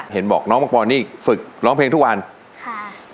เห็นบอกน้องมังปอนนี่ฝึกร้องเพลงทุกวันค่ะ